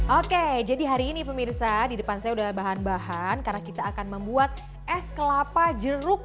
oke jadi hari ini pemirsa di depan saya udah bahan bahan karena kita akan membuat es kelapa jeruk